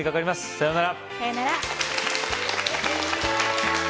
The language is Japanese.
さよなら